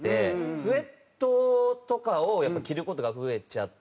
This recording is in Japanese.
スウェットとかをやっぱ着る事が増えちゃって。